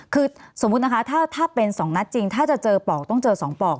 คือสมมุตินะคะถ้าเป็น๒นัดจริงถ้าจะเจอปอกต้องเจอ๒ปอก